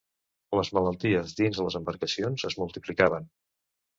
Les malalties dins les embarcacions es multiplicaven.